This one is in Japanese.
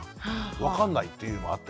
分かんないっていうのもあって。